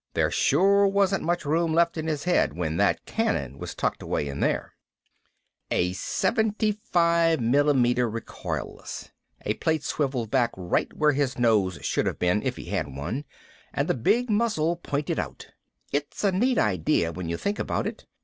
There sure wasn't much room left in his head when that cannon was tucked away in there. A .75 recoilless. A plate swiveled back right where his nose should have been if he had one, and the big muzzle pointed out. It's a neat idea when you think about it.